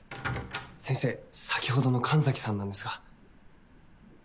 先生先ほどの神崎さんなんですが。